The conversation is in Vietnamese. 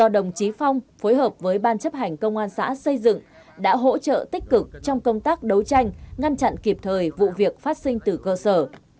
đồng chí phong phối hợp với ban chấp hành công an xã xây dựng đã hỗ trợ tích cực trong công tác đấu tranh ngăn chặn kịp thời vụ việc phát sinh từ cơ sở